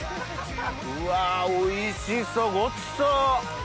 うわおいしそうごちそう！